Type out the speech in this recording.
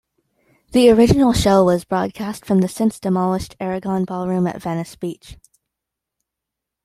The original show was broadcast from the since-demolished Aragon Ballroom at Venice Beach.